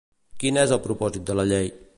Quin és el propòsit de la llei?